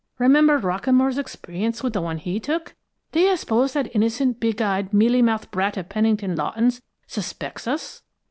Remember Rockamore's experience with the one he took? Do you suppose that innocent, big eyed, mealy mouthed brat of Pennington Lawton's suspects us?'